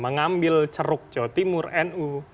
mengambil ceruk jawa timur nu